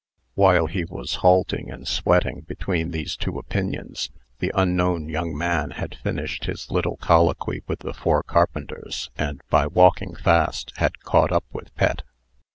While he was halting and sweating between these two opinions, the unknown young man had finished his little colloquy with the four carpenters, and, by walking fast, had caught up with Pet.